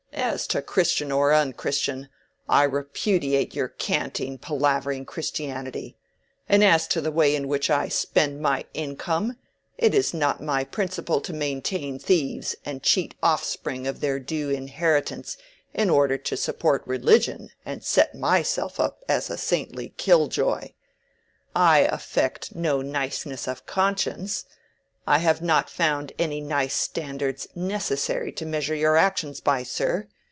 As to Christian or unchristian, I repudiate your canting palavering Christianity; and as to the way in which I spend my income, it is not my principle to maintain thieves and cheat offspring of their due inheritance in order to support religion and set myself up as a saintly Killjoy. I affect no niceness of conscience—I have not found any nice standards necessary yet to measure your actions by, sir.